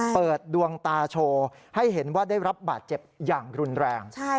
เปิดดวงตาโชว์ให้เห็นว่าได้รับบาดเจ็บอย่างรุนแรง